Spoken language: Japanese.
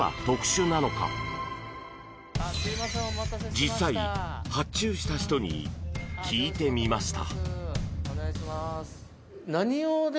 実際、発注した人に聞いてみました。